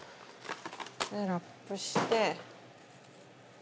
ラップして。